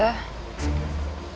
aku hamil anak haris